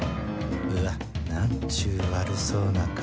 うわ何ちゅう悪そうな顔